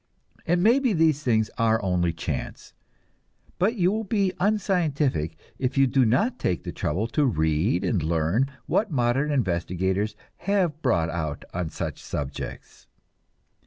And maybe these things are only chance, but you will be unscientific if you do not take the trouble to read and learn what modern investigators have brought out on such subjects.